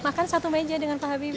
makan satu meja dengan pak habibie